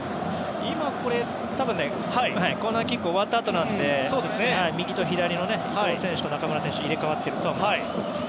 コーナーキックが終わったあとなので右と左、伊東選手と中村選手が入れ替わっていると思います。